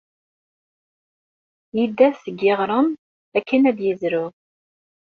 Yedda seg yiɣrem akken ad yezrew.